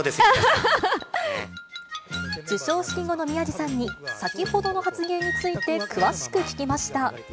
授賞式後の宮治さんに、先ほどの発言について、詳しく聞きました。